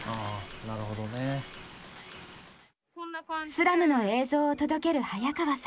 スラムの映像を届ける早川さん。